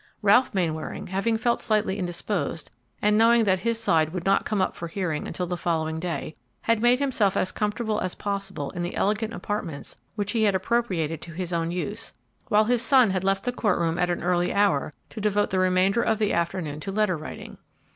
Ralph Mainwaring, having felt slightly indisposed, and knowing that his side would not come up for hearing until the following day, had made himself as comfortable as possible in the elegant apartments which he had appropriated to his own use, while his son had left the court room at an early hour to devote the remainder of the afternoon to letter writing.